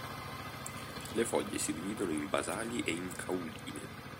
Le foglie si dividono in basali e in cauline.